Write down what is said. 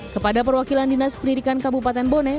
kepada perwakilan dinas pendidikan kabupaten bone